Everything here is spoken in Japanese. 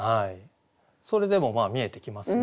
それでも見えてきますね。